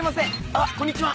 あっこんにちは。